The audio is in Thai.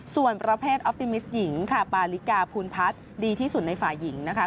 ส่วนประเภทออฟติมิสหญิงค่ะปาลิกาภูมิพัฒน์ดีที่สุดในฝ่ายหญิงนะคะ